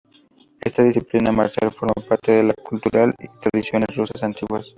Esta disciplina marcial forma parte de la cultura y tradiciones rusas antiguas.